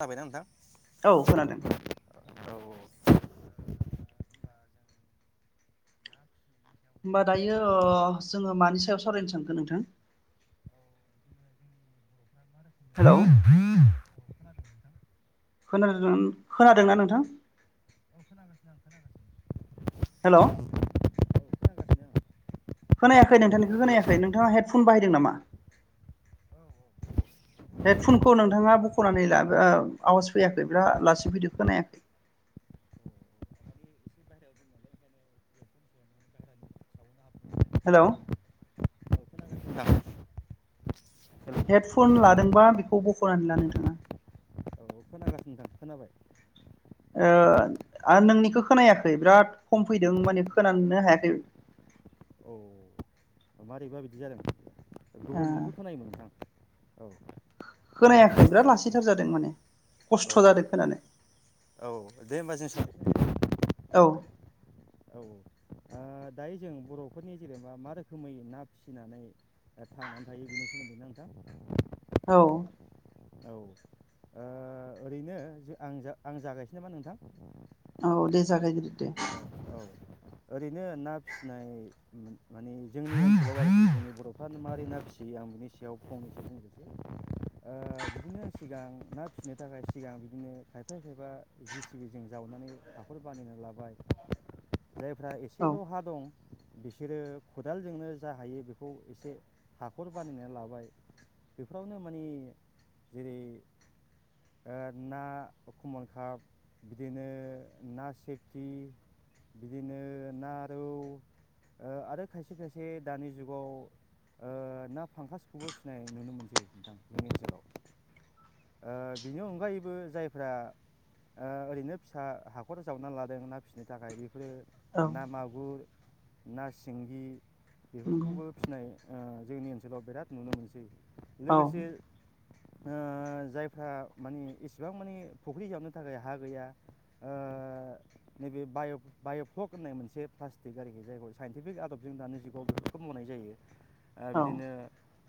खोनाबायना नोंथां औ खोनादों औ औ [unintelligible] होमबा दायो ओ जोङो मानि सायाव सावरायनो सानखो नोंथां? हेल' खोनादोनान खोनादोंना नोंथां? हेल' खोनायाखै नोंथांनिखौ हेल' औ खोनायाखै नोंथाङा हेङडफन बाहायदों नामा हेडफनखौ नोंथाङा बख'नानै ला ओ आवाज फैयाखै बिराद लासि फैदो खोनाया हेल' खोनागासिनो नोंथां हेडफन लादोंबा बेखौ बख'नानै ला नोंथाङा। [unintelligible] खोनाबाय। ओ आरो नोंनिखौ औ खोनायाखै बिराद खम फैदों माने खोनानोनो हायाखै। औ मारैबा बिदि जादों? ओ गुबुनजोंथ' खोनायोमोन नोंथां। औ खोनायाखै बिराद लासैथार जादों माने औ खस्थ' जादो खोनानो। औ दे होमबा जों साव औ औ औ दायो जों बर'फोरनि जेनेबा मा रोखोमै ना फिसिनानै ओ थांनानै थायो बेनि सोमोन्दै ना नोंथां? औ औ ओरैनो आं आं जागायसै नामा नोंथां? औ दे जागायग्रो दे। औ ओरैनो ना फिसिनाय उम माने जोंनि बर'फ्रानो मारै ना फिसियो आं बिनि सायाव फंनैसो बुंनोसै ओ बिदिनो सिगां ना फिसिनो थाखाय सिगां बिदिनो खायफा खायफा जि सि बि जों जावनानै हाखर बानायना लाबाय जायफ्रा औ सेल'हा दं बिसोरो खदालजोंनो जा हायो बेखौ एसे हाखर बानायना लाबाय बेफोरावनो माने जेरै ओ ना कमन काप बिदिनो ना सेफटि बिदिनो ना रौ ओ आरो खायसे खायसे दानि जुगाव ओ ना फांखासखौबो फिसिनाय नुनो मोनसै नोंथां जोंनि ओनसोलाव। ओ बिनि अनगायैबो जायफ्रा ओ ओरैनो फिसा हाखर जावनानै लादों ना फिसिनो थाखाय बे बेफोरो औ ना मागुर ना सिंगि नंगौ बेफोरखौबो फिसिनाय ओ जोंनि ओनसोलाव बिराद नुनो मोनसै। औ लोगोसे ओ जायफ्रा माने इसिबां मानि फुख्रि जावनो थाखाय हा गैया ओ नैबे बायक बाय'फ्लक होननाय मोनसे प्लास्टिक आरोखि जायखौ साइनटिफिक आदबजों दानि जुगाव बेफोरखौ मावनाय जायो ओ औ बिदिनो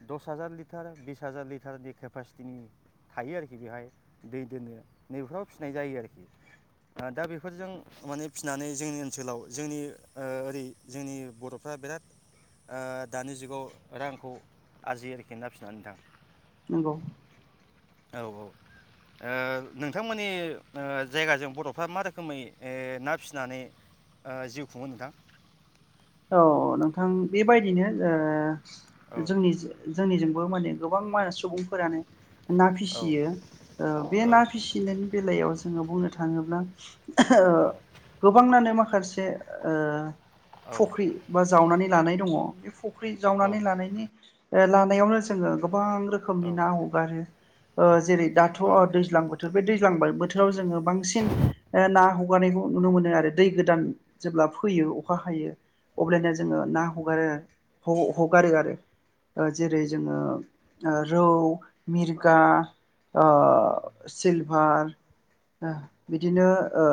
दस हाजार लिटार बिस हाजार लिटारनि केपास्टिनि थायो आरोखि बेहाय दै दोननो नैबेफोराव फिसिनाय जायो आरोखि ओ दा बेफोरजों माने फिसिनानै जोंनि ओनसोलाव जोंनि ओ ओरै जोंनि बर'फ्रा बिराद ओ दानि जुगाव रांखौ आरजियो आरोखि ना फिसिनानै नोंथां। नंगौ। औ औ ओ नोंथांमोननि ओ जायगाजों बर'फ्रा मा रोखोमै ओ ना फिसिनानै ओ जिउ खुङो नोंथां? औ नोंथां बेबायदिनो औ ओ जोंनि जो जोंनिजोंबो माने गोबां मा सुबुंफोरानो ना औ फिसियो ओ बे औ ना फिसिनायनि बेलायाव जो जोङो बुंनो थाङोब्ला गोबांनानो माखास ओ औ फख्रि बा जावनानै लानाय दङ बे फु फख्रि जावनानै लानायनि ओ लानायावनो जोङो गो गोबां रोखोमनि औ ना हगारो। ओ जेरै दाथ' औ दैज्लां बोथोर बे दैज्लां बा बो बोथोराव जोङो बांसिन ओ ना हगारनायखौ नुनो मोनो आरो। दै गोदान जेब्ला फोयो अखा हायो। अब्लानिया जोङो ना हगारो हगारो आरो ओ जेरै जोङो रौ मिर्गा ओ सिलभार बिदिनो ओ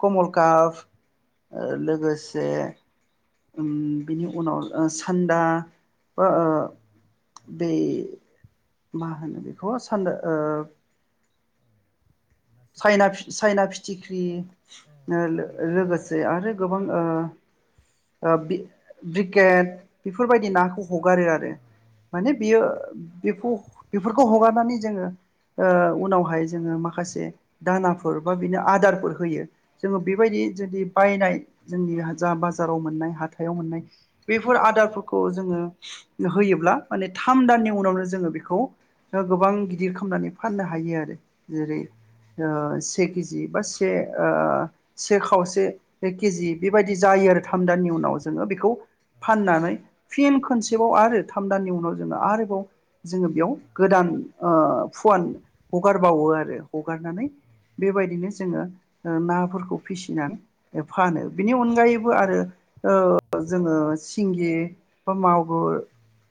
कमल काप ओ लोगोसे उम बिनि उनाव ओ सान्दा बा ओ बे मा होनो बेखौ सान्दा ओ औ ना सिपि चाइना चाइना फिथिख्रि ओ औ लोग साइ औ लोगोसे औ आरो गोबां ओ ओ ब्रि ब्रिगेड बेफोरबायदि औ नाखौ ब्रिकेट हगारो आरो औ माने औ बियो बेखौ बेफोरखौ हगारनानै जोङो ओ औ उनावहाय जोङो माखासे दानाफोर बा बिनो आदारफोर होयो जोङो औ बेबायदि जुदि बायनाय जोंनि जा बाजाराव मोननाय हाथाइयाव मोननाय बेफोर आदारफोरखौ जोङो होयोब्ला माने थाम दाननि उनावनो जोङो बेखौ गोबां गिदिर खालामनानै फाननो हायो आरो जेरै ओ से केजि बा से ओ से खावसे केजि बेबायदि जायो आरो थाम दानानि उनाव जोङो बेखौ फाननानै फिन खनसेबाव आरो थाम दाननि उनाव जोङो आरोबाव जोङो बेयाव गोदान ओ फुवान हगारबावो आरो हगारनानै बेबायदिनो जोङो नाफोरखौ फिसिनानै फानो बिनि अनगायैबो आरो ओ जोङो सिंगि बा औ मागुर सिंगि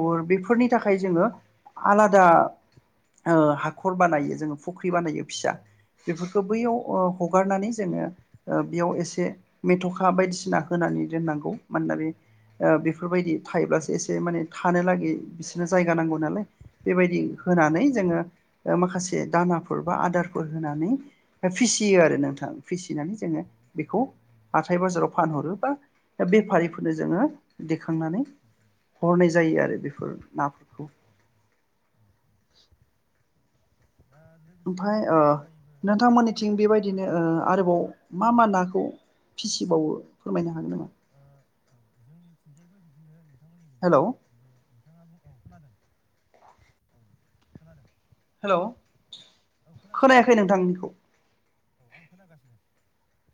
औ बेफोरनि थाखाय जोङो आलादा ओ औ नंगौ हाखर बानायो जोङो फुख्रि बानायो। औ नंगौ फिसा बेफोरखौ बैयाव हारनानै जोङो औ बेयाव एसे मेथ'खा बायदिसिना होनानै दोननांगौ मानोना औ बे नंगौ नंगौ औ हरनो औ बेफोरबायदि थायोब्लासो एसे माने थानो लागै बिसोरनो जायगा नांगौ नालाय बेबायदि होनानै जोङो माखासे दानाफोर बा आदारफोर होनानै फिसियो आरो नोंथां फिसिनानै जोङो बेखौ हाथथाय बाजाराव फानहरो बा बेफारिफोरनो जोङो दैखांनानै हरनाय जायो आरो बेफोर नाफोरखौ दा लोगोसे ओमफ्राय ओ बेनि अनगायैबो औ नोंथांमोननिथिं लकाल बेबायदिनो ओ औ आरोबाव मा मा नाखौ फिसिबावो औ फोरमायनो हागोन नामा? [inaudible] हेल' [inaudible] हेल' औ खोनागासिनो खोनायाखै नोंथां नोंथांनिखौ [inaudible]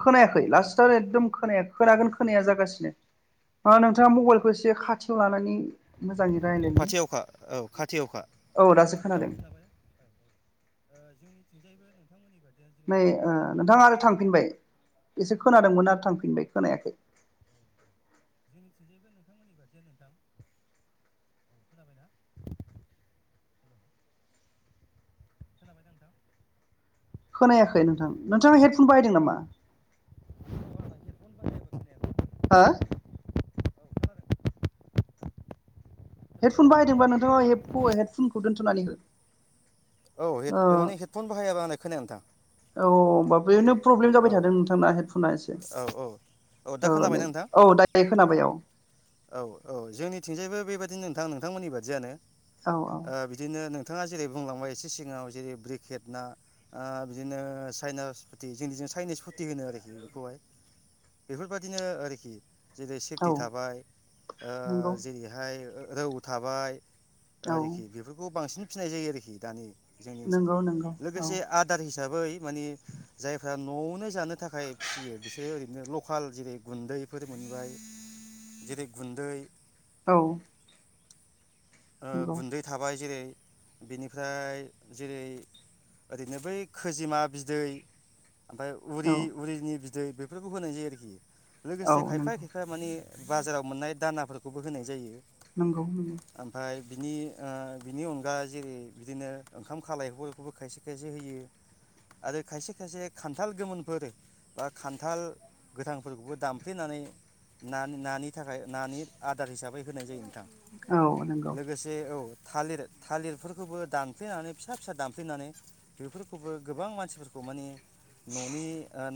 औ खोनायाखै खोनाबाय दा नोंथां लास्टआव एकदम खोनायाखै खोनागोन खोनाया जागासिनो माना औ नोंथाङा औ मबाइलखौ एसे खाथियाव लानानै मोजाङै रायलायनो खाथि अखा औ खाथि अखा औ दासो औ खोनादों खोनाबाय औ ओ [inaudible] नै नोंथाङा ओ दा नोंथाङा बुंनानै आरो औ थांफिनबाय एसे खोनादोंमोन आरो थांफिनबाय खोनायाखै औ [inaudible] खोनायाखै हेलौ नोंथां नोंथाङा हेडफन बायदों नामा? खोनाबाय औ आंना हेडफन बाहायाबा हा खोनायाखै औ खोनादों खोनाबायना हेडफन बाहायदोंबा नोंथां नोंथाङा हेड हेडफनखौ दोन्थ'नानै हो औ हे ओ माने हेडफन बाहायाबा आंना खोनाया नोंथां औ-औ होमबा बेनो प्रब्लेम औ जाबाय थादों नोंथांना हेडफना एसे औ औ दा औ नै खोनाबायना औ दडाइरेक्ट खाबाय औ। औ-औ जोंनिथिंजायबो बेबादिनो नोंथां नोंथांमोननि बादियानो। औ ओ बिदिनो नों नोंथाङा जेरै बुंलांबाय एसे सिगाङाव जेरै ब्रिकेट ना बिदिनो चाइनास फुथि जोंनिजों चाइनिस फुथि होनो आरोखि बेखौहाय बेफोरबायाददिनो आरोखि जेरै औ सेफटि थाबाय ओ नंगौ जेरैहाय रौ थाबाय औ आरोखि बेफोरखौ बांसिन फिसिनाय जायो आरोखि दानि जोंनि ओनसोलाव नंगौ नंगौ औ लोगोसे आदार हि न'आवनो जानो नो थाखाय फिसियो बिसोरो लकेल जेरै गुन्दैफोर मोनबाय जेरै गुन्दै औ ओ नंगौ गुन्दै थाबाय जेरै बेनिफ्राय जेरै ओरैनो बै खोजेमा बिदै ओमफाय औ उरि-उरिनि बि दै बेफोरखौ होनाय जायो आरोखि। औ लोगोसे नंगौ खायफाया-खायफाया माने बाजाराव मोननाय दानाफोरखौबो होनाय जायो। नंगौ-नंगौ। ओमफाय बिनि ओ बिनि अनगा जेरै बिदिनो ओंखाम खालायफोरखौबो खायसे-खायसे होयो आरो खायसे-खायसे खान्थाल गोमोनफोर बा खान्थाल गोथांफोरखौबो दामफ्लेनानै ना-नानि नि थाखाय नानि आदार हिसाबै होनाय जायो नोंथां। औ नंगौ लोगोसे औ थालिर थालिरफोरखौबो दानफ्लेनानै फिसा-फिसा दानफ्लेनानै बेफोरखौबो गोबां मानसिफोरखौ माने न'नि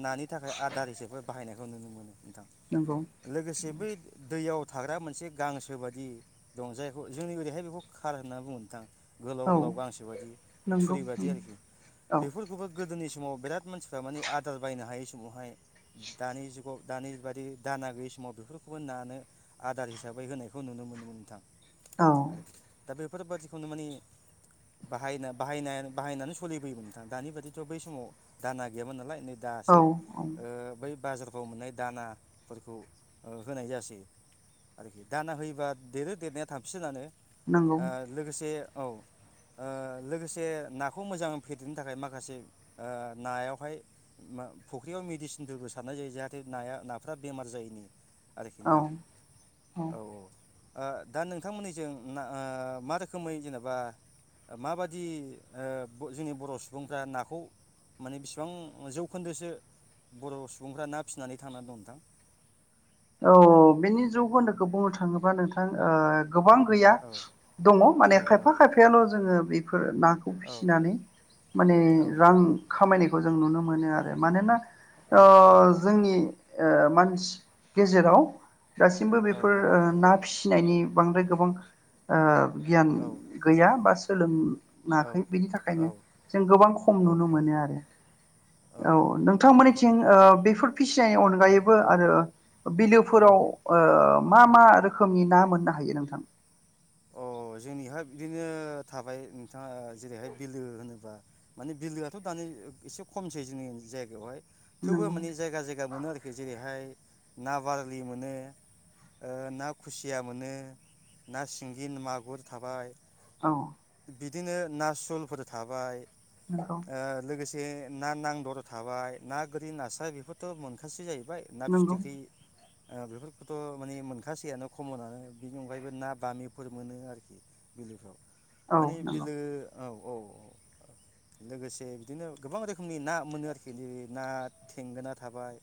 नानि थाखाय आदार हिसाबै बाहायनायखौ नुनो मोनो। नोंथां नंगौ लोगोसे बै दैयाव थाग्रा मोनसे गांसो बायि दं जाय ब जोंनि ओहाय बेखौ खार होनना बुङो नोंथां। औ गोलाव-गोलाव गांसो बायदि नंगौ थुरि बायदि आरोखि औ बेफोरखौबो गोदोनि समाव बिराद मानसिफ्रा माने आदार बायनो हायै समावहाय दानि जुगाव दानि बादि दाना गैयि समाव बेफोरखौबो नानो आदार हिसाबै होनायखौ नुनो मोनोमोन नोंथां। औ आरोखि दा बे बेफोरबादिखौनो माने बाहायना बाहायनाय बाहायनानै सलिबोयोमोन नोंथां दानि बादिथ' बै समाव दाना गैयामोन नालाय नै दासो औ ओ बै बाजारफ्राव मोननाय दानाफोरखौ होनाय जासै आरोखि दाना होयोबा देरो देरनाया थाबसिनानो ओ नंगौ लोगोसे औ ओ लोगोसे नाखौ मोजाङै फेदेरनो थाखाय माखासे ओ नायावहाय फुख्रियाव मेडिसिनफोरबो सारनाय जायो जाहाथे नाया नाफोरा बेमार जायैनि आरोखि औ नोंथां औ औ ओ दा नोंथांमोननिजों ना ओ मा रोखोमै जेनेबा माबादि जोंनि बर' सुबुंफ्रा नाखौ माने बिसिबां जौखोन्दोसो बर' सुबुंफ्रा ना फिसिनानै थांनानै दं नोंथां? औ बिनि जौखोन्दोखौ बुंनो थाङोब्ला नोंथां ओ गोबां गैया औ दङ औ माने खायफा खायफायाल' जोङो फोर नाखौ औ फिसिनानै माने औ रां खामायनायखौ जों नुनो मोनो आरो मानोना अ औ जोंनि ओ मानसि गेजेराव दासिमबो औ बेफोर ओ ना फिसिनायनि बांद्राय गोबां ओ गियान औ गैया बा सोलों ङाखै बेनि थाखायनो जों गोबां खम नुनो मोनो आरो औ नोंथांमोननिथिं ओ बेफोर फिसिनायनि अनगायैबो आरो बिलोफोराव औ ओ मा मा रोखोमनि ना मोननो हायो नोंथां? अ जोंनिहाय बिदिनो थाबाय नोंथाङा जेरैहाय बिलो होनोबा माने बिलोआथ' दानि एसे खमसै जोंनि जायगायावहाय। थेवबो नंगौ माने जायगा जायगा मोनो आरोखि जेरैहाय ना बारलि मोनो ओ ना खुसिया मोनो ना सि गि मागुर थाबाय। औ बिदिनो ना सुलफोर थाबाय नंगौ ओ लोगोसे जे ना नांदर थाबाय ना गोरि नास्राय बेफोरथ मोनखासै जा बाय ना नंगौ फिथिख्रि बेफोरखौथ माने मोनखासैयानो खमनानो बेनि अनगायैबो ना बामि फोर मोनो आरोखि बिलोफ्राव औ माने नंगौ बिलो औ औ औ लोगोसे बिदिनो गोबां रोखोमनि ना मोनो आरोखि जेरै ना थेंगोना थाबाय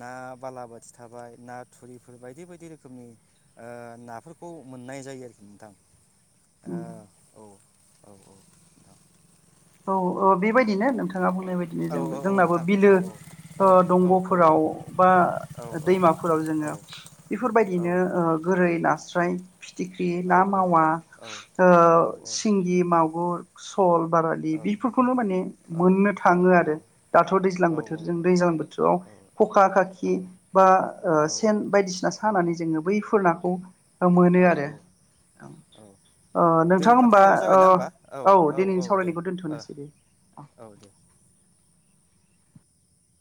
ना बालाबोथि थाबाय ना थुरिफोर बायदि बायदि रोखोमनि ओ नाफोरखौ मोननाय जायो नोंथां ओ नंगौ औ औ औ नोंथां औ बेबायदिनो नोंथां नोंथाङा बुंनाय बायदिनो औ जों जोंनाबो नोंथां बिलो औ औ नोंथां औ औ दंगफोराव बा दैमाफोराव जोङो बेफोरबायदिनो गोरै नास्राय फिथिख्रि ना मावा ओ सिंगि मागुर सल ब बे बेफोरखौनो माने मोननो थाङो आरो दाथ दैज्लां बोथोरजों दैज्लां बोथोराव खखा औ खाखि औ बा सेन बायदिसिना सानानै जोङो बैफोर नाखौ मोनो आरो औ औ ओ दे नोंथां होमबा टाइमाबो ओ जाबायना होमबा औ दिनैनि दे सावरायनायखौ ओ थ'नोसै दे ओ औ दे